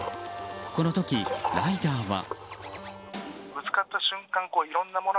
この時、ライダーは。